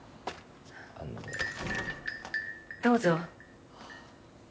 どうぞ。